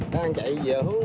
các anh chị giữ